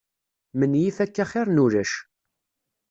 Menyif akka xir n ulac.